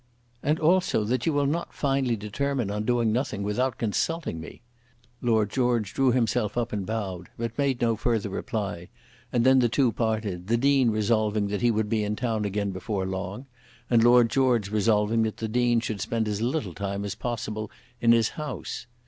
"And also that you will not finally determine on doing nothing without consulting me." Lord George drew himself up and bowed, but made no further reply; and then the two parted, the Dean resolving that he would be in town again before long, and Lord George resolving that the Dean should spend as little time as possible in his house.